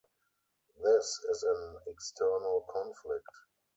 This is an external conflict.